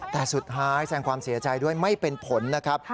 แต่สุดท้ายแสงความเสียใจด้วยไม่เป็นผลนะครับ